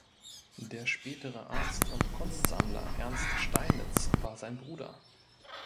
Der spätere Arzt und Kunstsammler Ernst Steinitz war sein Bruder.